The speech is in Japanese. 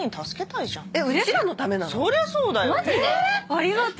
ありがとう。